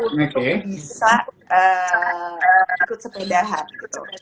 untuk bisa ikut sepedahan gitu